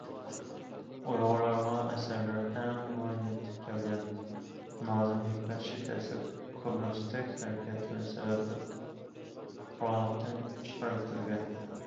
ئۇيغۇرلارغا ئەسەرلىرى ئەڭ بۇرۇن يېتىپ كەلگەن نازىم ھېكمەت شىددەتلىك كوممۇنىستىك ھەرىكەتلىرى سەۋەبلىك پۇقرالىقتىن چىقىرىۋېتىلگەن.